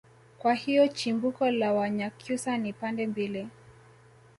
kwa hiyo chimbuko la wanyakyusa ni pande mbili